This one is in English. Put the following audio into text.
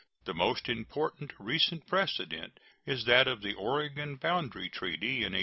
The most important recent precedent is that of the Oregon boundary treaty, in 1846.